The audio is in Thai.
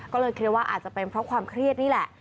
ก็เลยคิดว่าอาจจะเป็นเพราะความเครียดนี่แหละ